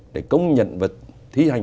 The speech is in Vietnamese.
để công nhận và thi hành